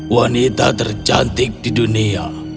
wanita tercantik di dunia